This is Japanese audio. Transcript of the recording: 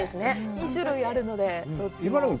２種類あるので、どっちも。